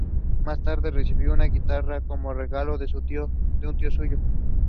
There are three women's societies at Illinois College.